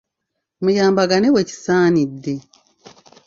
Muyambagane wekisaanidde.